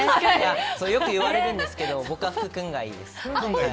よく言われるんですが僕は福君がいいです。